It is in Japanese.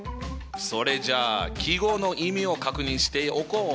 それじゃあ記号の意味を確認しておこう。